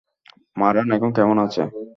মারান এখন কেমন আছে?